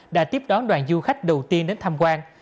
đã tiếp đón đoàn du khách đầu tiên đến tham quan